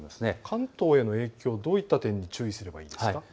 関東への影響、どういった点に注意すればいいですか。